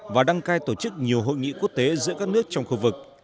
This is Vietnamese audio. và đăng cai tổ chức nhiều hội nghị quốc tế giữa các nước trong khu vực